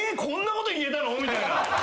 こんなこと言えたの？みたいな。